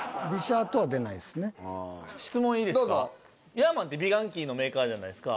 「ヤーマン」って美顔器のメーカーじゃないですか。